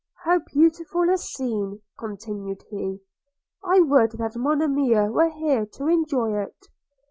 'How beautiful a scene!' continued he; 'I would that Monimia were here to enjoy it!